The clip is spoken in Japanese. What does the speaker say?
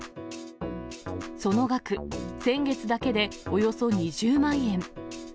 その額、先月だけでおよそ２０万円。